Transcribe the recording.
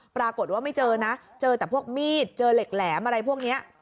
ปรากฏว่าไม่เจอนะเจอแต่พวกมีดเจอเหล็กแหลมอะไรพวกนี้